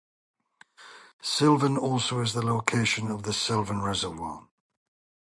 Silvan also is the location of the Silvan Reservoir.